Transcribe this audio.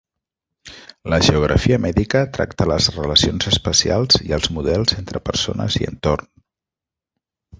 La geografia mèdica tracta les relacions espacials i els models entre persones i entorn.